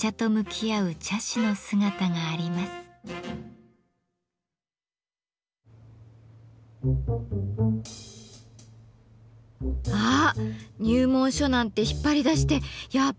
あ入門書なんて引っ張り出してやっぱり！